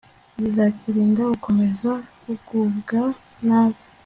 bizakirinda gukomeza kugubwa nabi